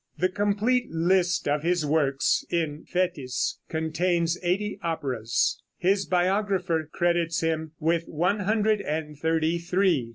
The complete list of his works in Fétis contains eighty operas. His biographer credits him with one hundred and thirty three.